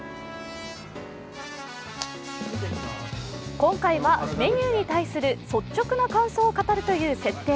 今回はメニューに対する率直な感想を語るという設定。